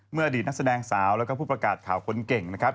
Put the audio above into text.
อดีตนักแสดงสาวแล้วก็ผู้ประกาศข่าวคนเก่งนะครับ